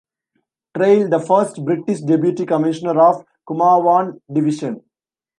Traill, the first British Deputy Commissioner of Kumaon division.